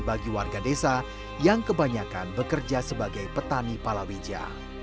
bagi warga desa yang kebanyakan bekerja sebagai petani palawija